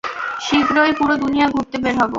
শীঘ্রই পুরো দুনিয়া ঘুরতে বের হব।